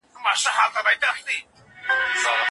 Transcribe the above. ولي کندهار کي د صنعت لپاره روزنه مهمه ده؟